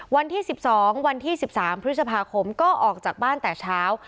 วันที่๑๒วันที่๑๓พฤษภาคมก็ออกจากบ้านแต่เช้า